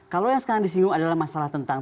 kalau yang sekarang disinggung adalah masalah tentang